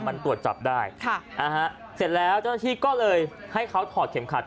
มันตรวจจับได้ค่ะนะฮะเสร็จแล้วเจ้าหน้าที่ก็เลยให้เขาถอดเข็มขัด